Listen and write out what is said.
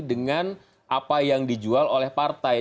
dengan apa yang dijual oleh partai